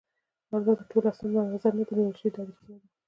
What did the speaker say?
البته ټول اسناد مدنظر نه دي نیول شوي، دا ريښتیا ده.